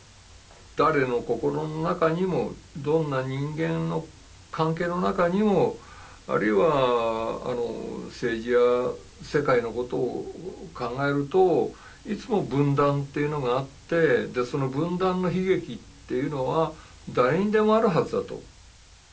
誰の心の中にもどんな人間の関係の中にもあるいは政治や世界のことを考えるといつも分断っていうのがあってその分断の悲劇っていうのは誰にでもあるはずだと。